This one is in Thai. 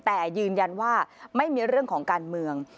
แต่ยืนยันว่าไม่มีเรื่องของการเมือง